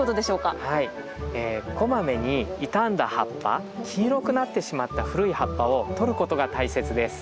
こまめに傷んだ葉っぱ黄色くなってしまった古い葉っぱをとることが大切です。